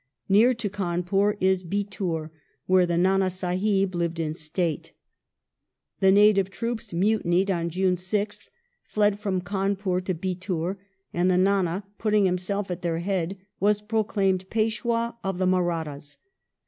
Near to Cawnpur is Bithur where the Nana Sahib lived in state. The native troops mutinied on June 6th, fled from Cawnpur to Bithur, and the Nana, putting himself at their head, was proclaimed Peshwa of the Marathas.